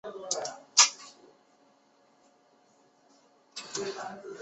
最早是当地泰雅族人发现这里有温泉。